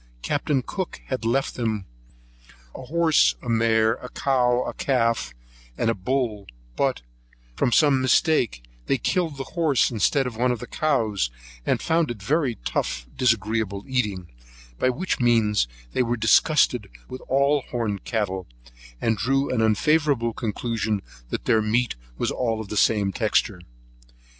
Capt. Cook had left with them a horse and mare, a cow with calf, and a bull; but, from some mistake, they killed a horse instead of one of the cows, and found it very tough, disagreeable eating, by which means they were disgusted with all the horned cattle, and drew an unfavourable conclusion that their meat was all of the same texture.